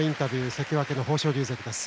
関脇の豊昇龍関です。